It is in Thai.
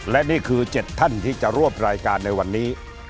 และนี่คือ๗ท่านที่จะรวบรายการในวันนี้